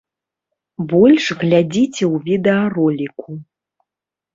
Больш глядзіце ў відэароліку.